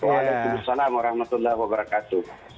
waalaikumsalam warahmatullahi wabarakatuh